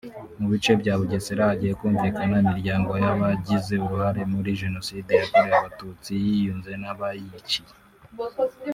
Mu bice bya Bugesera hagiye kumvikana imiryango y’abagize uruhare muri Jenoside yakorewe Abatutsi yiyunze n’abayiciye